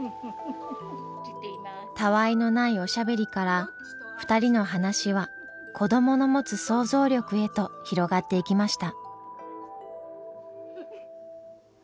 たわいのないおしゃべりから２人の話は子どもの持つ想像力へと広がっていきました。